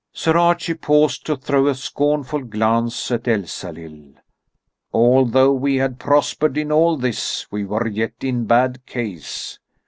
Sir Archie paused to throw a scornful glance at Elsalill. "Although we had prospered in all this, we were yet in bad case.